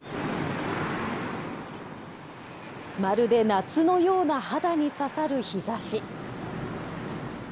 まるで夏のような肌に刺さる日ざし。